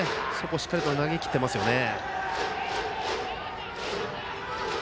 しっかり投げ切っていますよね。